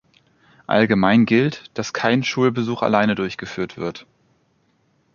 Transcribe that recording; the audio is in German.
Allgemein gilt, dass kein Schulbesuch alleine durchgeführt wird.